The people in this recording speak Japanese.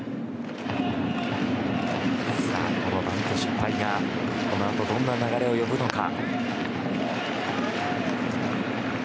このバント失敗がこのあと、どんな流れを呼ぶか。